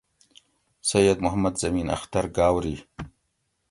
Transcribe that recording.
سید محمد زمین اختر گاؤری